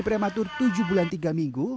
prematur tujuh bulan tiga minggu